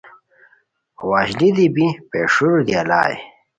وشلی دے بی پیݰیرو دی الائے